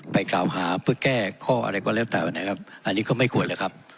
ไปกล่าวหาเพื่อแก้ข้ออะไรก็แล้วแต่นะครับอันนี้ก็ไม่ควรเลยครับ